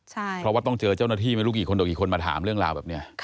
เพราะว่าต้องเจอเจ้าหน้าที่ไม่รู้กี่คนต่อกี่คนมาถามเรื่องราวแบบนี้